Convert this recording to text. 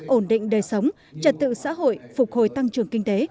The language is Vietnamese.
ổn định đời sống trật tự xã hội phục hồi tăng trưởng kinh tế